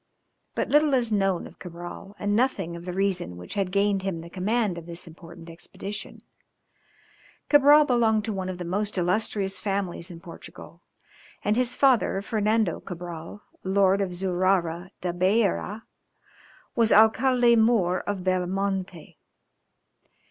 But little is known of Cabral, and nothing of the reason which had gained him the command of this important expedition. Cabral belonged to one of the most illustrious families in Portugal, and his father, Fernando Cabral, lord of Zurara da Beira, was Alcalde mõr of Belmonte.